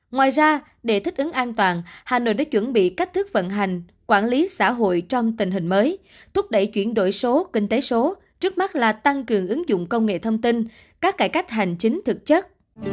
ngoài ra để thích ứng an toàn hà nội đã chuẩn bị cách thức vận hành quản lý xã hội trong tình hình mới thúc đẩy chuyển đổi số kinh tế số trước mắt là tăng cường ứng dụng công nghệ thông tin các cải cách hành chính thực chất